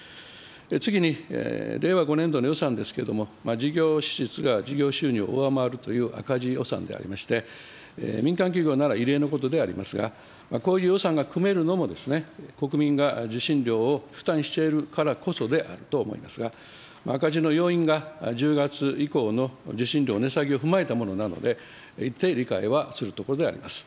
次に、令和５年度の予算ですけれども、事業支出が事業収入を上回るという赤字予算でありまして、民間企業なら異例のことでありますが、こういう予算が組めるのも、国民が受信料を負担しているからこそであると思いますが、赤字の要因が１０月以降の受信料値下げを踏まえたものなので、一定理解はするところであります。